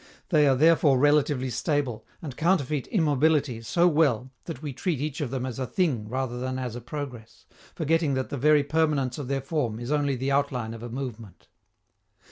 They are therefore relatively stable, and counterfeit immobility so well that we treat each of them as a thing rather than as a progress, forgetting that the very permanence of their form is only the outline of a movement.